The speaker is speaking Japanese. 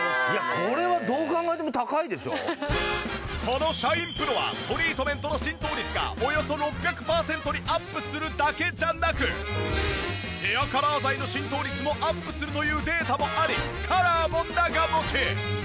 このシャインプロはトリートメントの浸透率がおよそ６００パーセントにアップするだけじゃなくへアカラー剤の浸透率もアップするというデータもありカラーも長持ち！